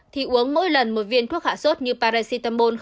thì uống mỗi lần một viên thuốc hạ sốt như paracetamol